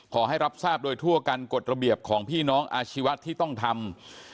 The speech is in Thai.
ขอให้รับทราบโดยทั่วกันกฎระเบียบของพี่น้องอาชีวะที่ต้องทำ